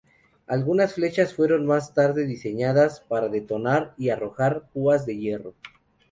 Algunas flechas fueron más tarde diseñadas para detonar y arrojar púas de hierro.